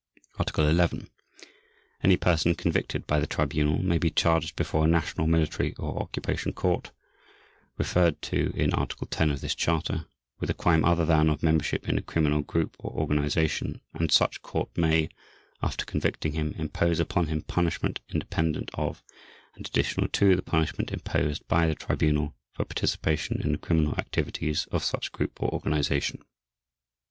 Article 11. Any person convicted by the Tribunal may be charged before a national, military, or occupation court, referred to in Article 10 of this Charter, with a crime other than of membership in a criminal group or organization and such court may, after convicting him, impose upon him punishment independent of and additional to the punishment imposed by the Tribunal for participation in the criminal activities of such group or organization.